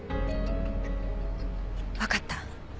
わかった。